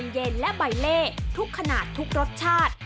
เย็นและใบเล่ทุกขนาดทุกรสชาติ